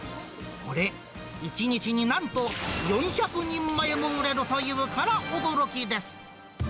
これ、１日になんと４００人前も売れるというから驚きです。